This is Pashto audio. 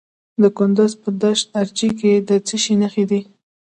د کندز په دشت ارچي کې د څه شي نښې دي؟